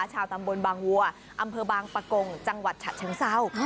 ชาวตำบลบางวัวอำเภอบางปะกงจังหวัดฉะเชิงเศร้า